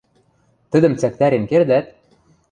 Тӹдӹм цӓктӓрен кердӓт?